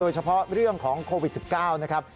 เฉพาะเรื่องของโควิด๑๙นะครับ